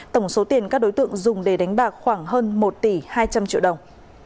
tổng số tiền các đối tượng dùng để đánh bạc khoảng hơn một tỷ hai trăm linh triệu đồng